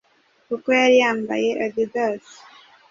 kuko yari yambaye adidas